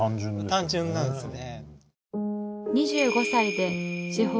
単純なんですね。